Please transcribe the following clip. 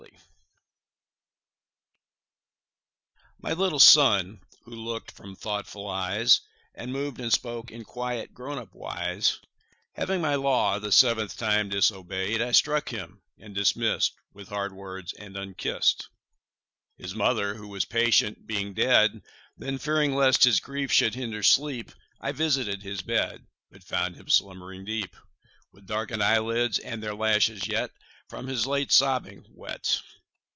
The Toys MY little Son, who look'd from thoughtful eyes And moved and spoke in quiet grown up wise, Having my law the seventh time disobey'd, I struck him, and dismiss'd With hard words and unkiss'd, 5 —His Mother, who was patient, being dead. Then, fearing lest his grief should hinder sleep, I visited his bed, But found him slumbering deep, With darken'd eyelids, and their lashes yet 10 From his late sobbing wet.